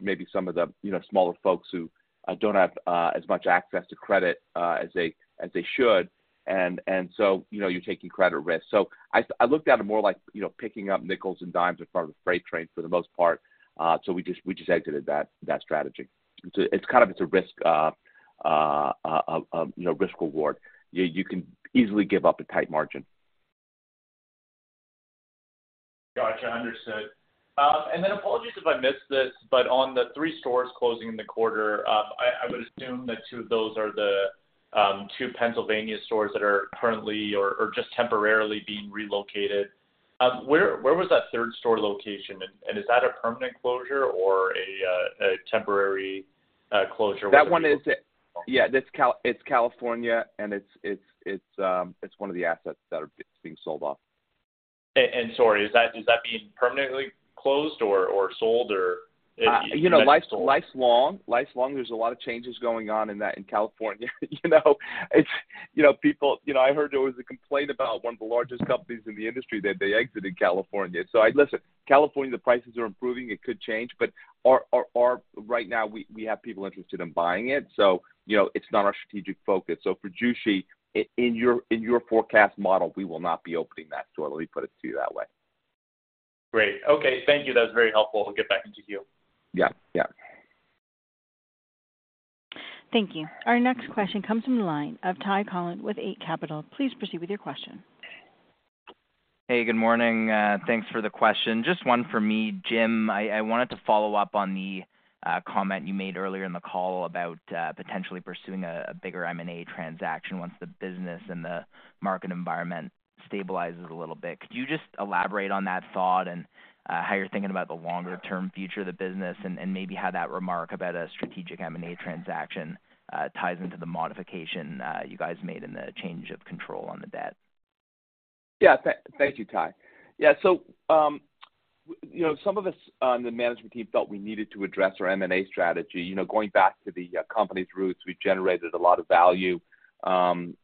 [SPEAKER 3] maybe some of the smaller folks who don't have as much access to credit as they should. You know, you're taking credit risk. I, I looked at it more like, you know, picking up nickels and dimes in front of a freight train for the most part. We just, we just exited that, that strategy. It's, it's kind of, it's a risk, you know, risk reward. You, you can easily give up a tight margin.
[SPEAKER 8] Gotcha. Understood. Then apologies if I missed this, on the three stores closing in the quarter, I, I would assume that two of those are the two Pennsylvania stores that are currently or, or just temporarily being relocated. Where, where was that third store location? Is that a permanent closure or a temporary closure?
[SPEAKER 3] That one is, yeah, that's it's California. It's one of the assets that are being sold off.
[SPEAKER 8] Sorry, is that, is that being permanently closed or, or sold, or, you know?
[SPEAKER 3] You know, life's, life's long. Life's long. There's a lot of changes going on in California, you know? It's, you know, people... You know, I heard there was a complaint about one of the largest companies in the industry that they exited California. Listen, California, the prices are improving, it could change, but our, our, our-- right now, we, we have people interested in buying it. You know, it's not our strategic focus. For Jushi, in your, in your forecast model, we will not be opening that store. Let me put it to you that way.
[SPEAKER 8] Great. Okay. Thank you. That was very helpful. We'll get back into queue.
[SPEAKER 3] Yeah, yeah.
[SPEAKER 1] Thank you. Our next question comes from the line of Ty Collin with Eight Capital. Please proceed with your question.
[SPEAKER 9] Hey, good morning. Thanks for the question. Just one for me, Jim. I wanted to follow up on the comment you made earlier in the call about potentially pursuing a, a bigger M&A transaction once the business and the market environment stabilizes a little bit. Could you just elaborate on that thought and how you're thinking about the longer term future of the business, and, and maybe how that remark about a strategic M&A transaction ties into the modification you guys made in the Change of Control on the debt?
[SPEAKER 3] Thank you, Ty. So, you know, some of us on the management team felt we needed to address our M&A strategy. You know, going back to the company's roots, we generated a lot of value, and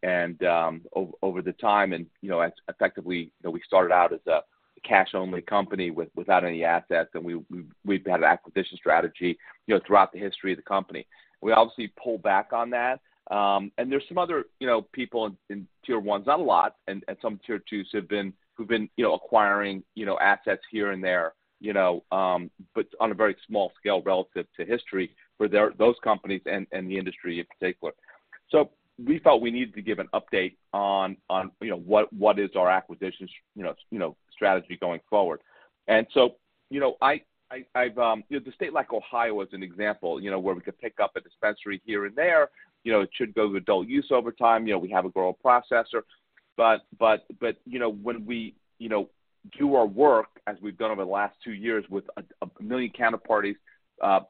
[SPEAKER 3] over the time and, you know, effectively, you know, we started out as a cash-only company without any assets, and we've had an acquisition strategy, you know, throughout the history of the company. We obviously pulled back on that. There's some other, you know, people in Tier 1s, not a lot, and some Tier 2s who've been acquiring, you know, assets here and there, you know, but on a very small scale relative to history for those companies and the industry in particular. We felt we needed to give an update on, on, you know, what, what is our acquisitions, you know, you know, strategy going forward. You know, I, I, I've, you know, the state like Ohio is an example, you know, where we could pick up a dispensary here and there. You know, it should go to adult use over time. You know, we have a grow processor. You know, when we, you know, do our work, as we've done over the last two years with a million counterparties,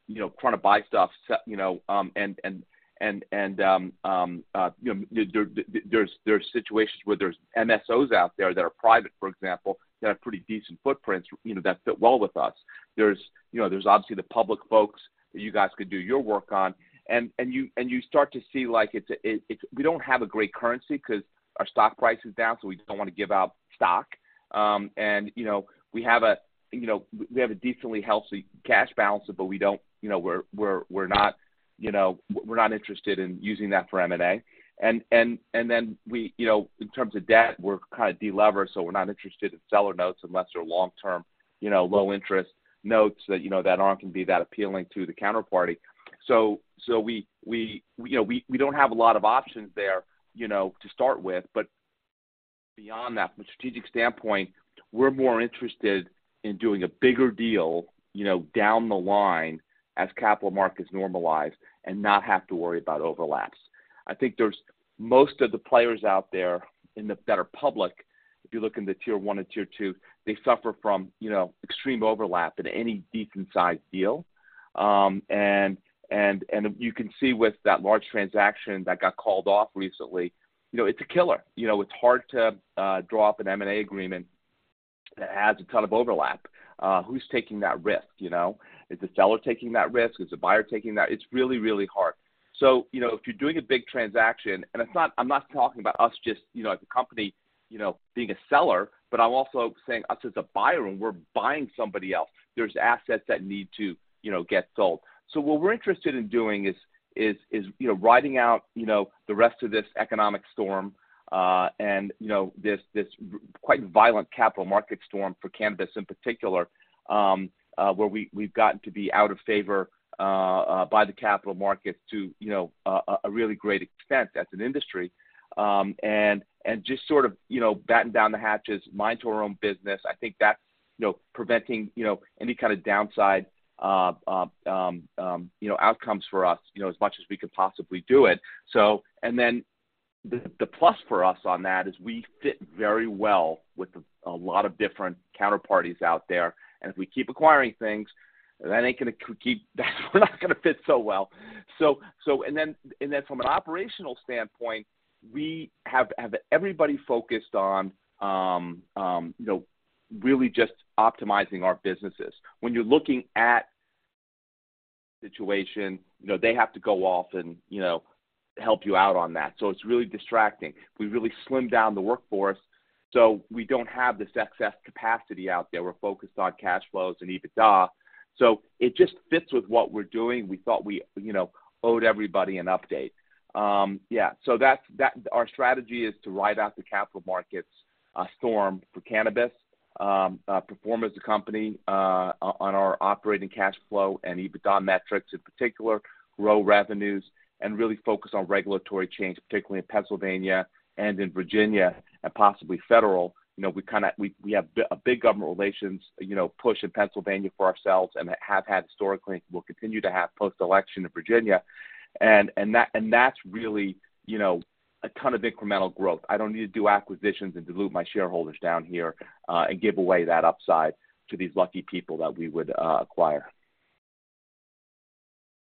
[SPEAKER 3] you know, trying to buy stuff, you know, and, and, and, and, you know, there's, there are situations where there's MSOs out there that are private, for example, that have pretty decent footprints, you know, that fit well with us. There's, you know, there's obviously the public folks that you guys could do your work on. You, and you start to see, like, it's we don't have a great currency because our stock price is down, so we don't want to give out stock. And, you know, we have a, you know, we have a decently healthy cash balance, but we don't you know, we're, we're, we're not, you know, we're not interested in using that for M&A. Then we, you know, in terms of debt, we're kind of delevered, so we're not interested in seller notes unless they're long-term, you know, low-interest notes that, you know, that aren't going to be that appealing to the counterparty. We, we, you know, we, we don't have a lot of options there, you know, to start with. Beyond that, from a strategic standpoint, we're more interested in doing a bigger deal, you know, down the line as capital markets normalize and not have to worry about overlaps. I think there's most of the players out there that are public, if you look in the Tier 1 and Tier 2, they suffer from, you know, extreme overlap in any decent-sized deal. You can see with that large transaction that got called off recently, you know, it's a killer. You know, it's hard to draw up an M&A agreement that has a ton of overlap. Who's taking that risk, you know? Is the seller taking that risk? Is the buyer taking that? It's really, really hard. You know, if you're doing a big transaction, and I'm not, I'm not talking about us just, you know, as a company, you know, being a seller, but I'm also saying us as a buyer, and we're buying somebody else, there's assets that need to, you know, get sold. What we're interested in doing is, you know, riding out, you know, the rest of this economic storm, and, you know, this, this quite violent capital markets storm for cannabis in particular, where we, we've gotten to be out of favor, by the capital markets to, you know, a, a really great extent as an industry. And just sort of, you know, batten down the hatches, mind to our own business. I think that's, you know, preventing, you know, any kind of downside, you know, outcomes for us, you know, as much as we could possibly do it. Then the, the plus for us on that is we fit very well with a, a lot of different counterparties out there, and if we keep acquiring things, that ain't gonna keep, that's we're not gonna fit so well. Then, and then from an operational standpoint, we have, have everybody focused on, you know, really just optimizing our businesses. When you're looking at situation, you know, they have to go off and, you know, help you out on that. It's really distracting. We really slimmed down the workforce, so we don't have this excess capacity out there. We're focused on cash flows and EBITDA. It just fits with what we're doing. We thought we, you know, owed everybody an update. Our strategy is to ride out the capital markets storm for cannabis, perform as a company on our operating cash flow and EBITDA metrics, in particular, grow revenues, and really focus on regulatory change, particularly in Pennsylvania and in Virginia and possibly federal. You know, we kind of, we, we have a big government relations, you know, push in Pennsylvania for ourselves and have had historically, and we'll continue to have post-election in Virginia. And that, and that's really, you know, a ton of incremental growth. I don't need to do acquisitions and dilute my shareholders down here, and give away that upside to these lucky people that we would acquire.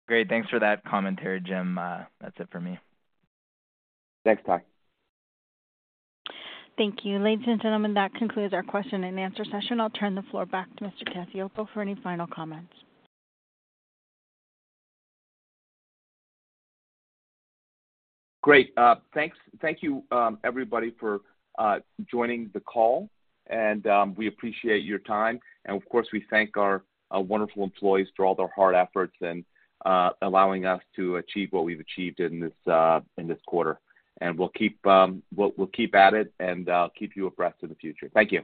[SPEAKER 9] Great. Thanks for that commentary, Jim. That's it for me.
[SPEAKER 3] Thanks, Ty.
[SPEAKER 1] Thank you. Ladies and gentlemen, that concludes our question and answer session. I'll turn the floor back to Mr. Cacioppo for any final comments.
[SPEAKER 3] Great. thank you, everybody, for joining the call, and we appreciate your time. Of course, we thank our, our wonderful employees for all their hard efforts and allowing us to achieve what we've achieved in this, in this quarter. We'll keep, we'll, we'll keep at it and keep you abreast in the future. Thank you.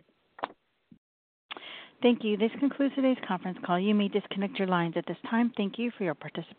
[SPEAKER 1] Thank you. This concludes today's conference call. You may disconnect your lines at this time. Thank you for your participation.